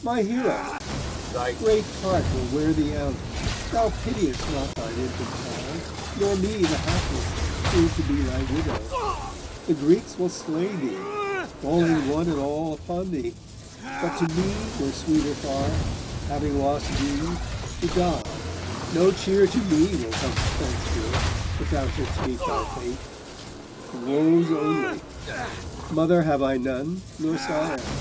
'My hero, thy great heart will wear thee out; Thou pitiest not thine infant child, nor me The hapless, soon to be thy widow; The Greeks will slay thee, falling one and all Upon thee: but to me were sweeter far, Having lost thee, to die; no cheer to me Will come thenceforth, if thou shouldst meet thy fate; Woes only: mother have I none, nor sire.